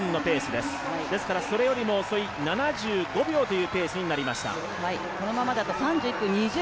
ですから、それよりも遅い７５秒というペースになりました。